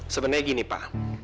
sebenarnya gini pa